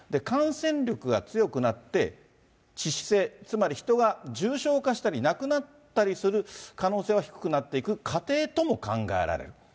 感染力が強くなって、致死性、つまり人が重症化したり、亡くなったりする可能性は低くなっていく過程とも考えられる。